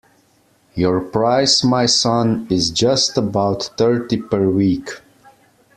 Your price, my son, is just about thirty per week.